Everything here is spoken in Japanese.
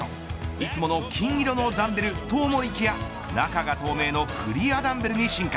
いつもの金色のダンベルと思いきや中が透明のクリアダンベルに進化。